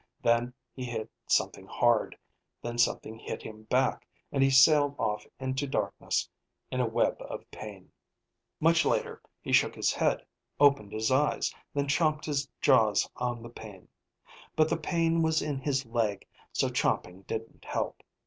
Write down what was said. Then he hit something hard; then something hit him back, and he sailed off into darkness in a web of pain. Much later he shook his head, opened his eyes, then chomped his jaws on the pain. But the pain was in his leg, so chomping didn't help.